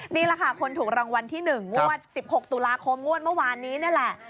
นี่แหละค่ะคนถูกรางวัลที่๑งวด๑๖ตุลาคมงวดเมื่อวานนี้นี่แหละ